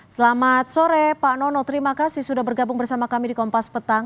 selamat sore pak nono terima kasih sudah bergabung bersama kami di kompas petang